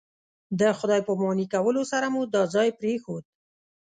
د خدای پاماني کولو سره مو دا ځای پرېښود.